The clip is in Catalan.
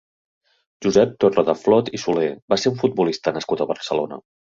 Josep Torredeflot i Solé va ser un futbolista nascut a Barcelona.